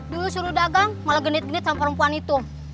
dulu suruh dagang malah genit gendit sama perempuan itu